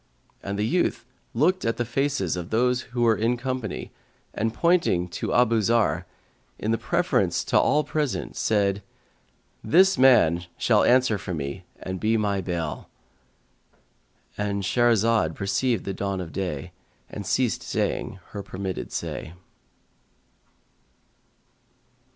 And the youth looked at the faces of those who were in company and pointing to Abu Zarr,[FN#149] in preference to all present, said, "This man shall answer for me and be my bail."—And Shahrazad perceived the dawn of day and ceased saying her permitted say.